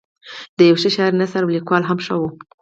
د یوه ښه شاعر نثر او لیکوالي هم ښه وه.